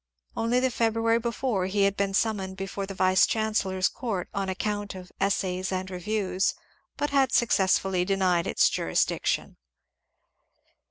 Only the February before he had been summoned before the vice chancellor's court on account of *' Essays and Reviews," but had successfully denied its jurisdiction.